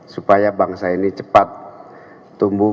supaya bangsa ini cepat tumbuh